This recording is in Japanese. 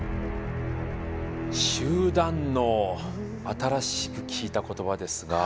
新しく聞いた言葉ですが。